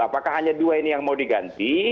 apakah hanya dua ini yang mau diganti